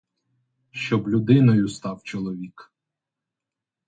Щоб людиною став чоловік!